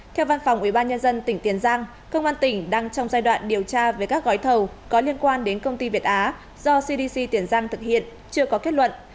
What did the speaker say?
theo văn phòng ubnd tỉnh tiền giang công an tỉnh đang trong giai đoạn điều tra về các gói thầu có liên quan đến công ty việt á do cdc tiền giang thực hiện chưa có kết luận